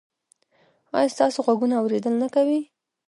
ایا ستاسو غوږونه اوریدل نه کوي؟